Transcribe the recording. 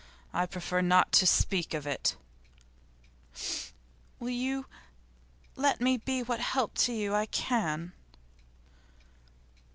I prefer not to speak of it.' 'Will you let me be what help to you I can?